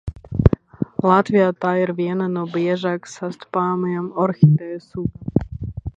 Latvijā tā ir viena no biežāk sastopamajām orhideju sugām.